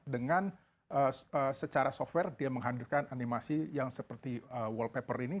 dengan secara software dia menghadirkan animasi yang seperti wall paper ini